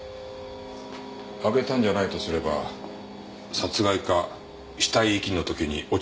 あげたんじゃないとすれば殺害か死体遺棄の時に落ちた可能性もある。